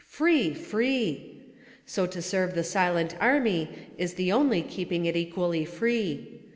free! free! So to serve the "silent army" is the only keeping it equally free.